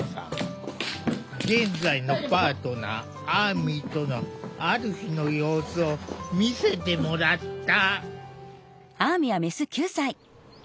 現在のパートナーアーミとのある日の様子を見せてもらった。